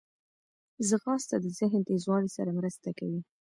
ځغاسته د ذهن تیزوالي سره مرسته کوي